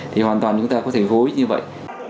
thì hoàn toàn chúng ta có thể gối như vậy